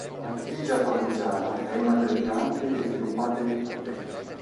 La Franchigia parmigiana è una delle più ampie e sviluppate d'Italia.